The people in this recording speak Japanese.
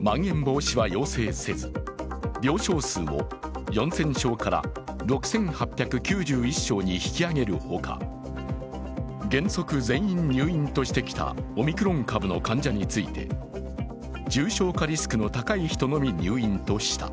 まん延防止は要請せず病床数を４０００床から６８９１床に引き上げるほか原則全員入院としてきたオミクロン株の患者について重症化リスクの高い人のみ入院とした。